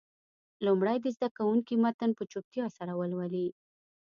لومړی دې زده کوونکي متن په چوپتیا سره ولولي.